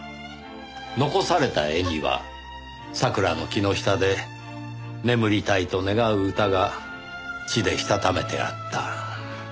残された絵には桜の木の下で眠りたいと願う歌が血でしたためてあった。